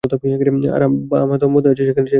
আব্বা আমার দমবন্ধ হয়ে আসছে, এখান থেকে চলো - ডাক্তার?